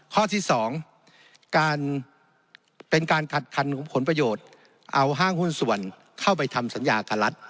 ข้อที่๒การเป็นการขัดคันของผลประโยชน์เอาห้างหุ้นส่วนเข้าไปทำสัญญากับรัฐ